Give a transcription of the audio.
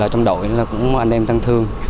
trong đội cũng có anh em thân thương